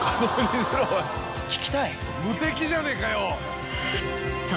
無敵じゃねえかよ。